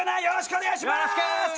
よろしくお願いします。